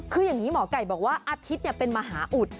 คืออย่างนี้หมอไก่บอกว่าอาทิตย์เป็นมหาอุด